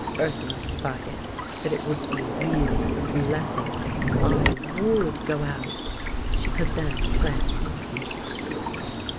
Ursula decided that it would be really a blessing if I would go out—she could then plant in peace.